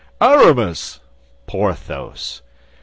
"Aramis!" "Porthos!"